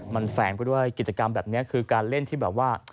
มันแฝงไปด้วยกิจกรรมแบบนี้คือการเล่นที่แบบว่า